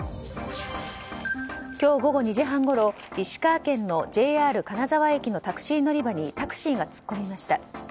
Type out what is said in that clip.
今日午後２時半ごろ石川県のＪＲ金沢駅のタクシー乗り場にタクシーが突っ込みました。